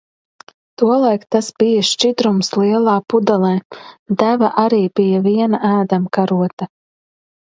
Tolaik tas bija šķidrums lielā pudelē. Deva arī bija viena ēdamkarote.